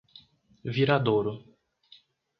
Viradouro